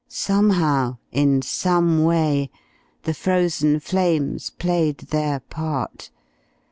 Somehow, in some way, the Frozen Flames played their part.